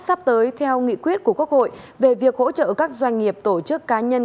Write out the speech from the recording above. sắp tới theo nghị quyết của quốc hội về việc hỗ trợ các doanh nghiệp tổ chức cá nhân